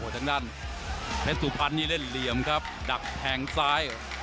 ทั้งด้านเพศุภัณฑ์นี่เล่นเหลี่ยมครับดักแทงซ้าย